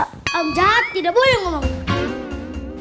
orang jahat tidak boleh ngomong